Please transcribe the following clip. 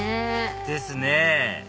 ですね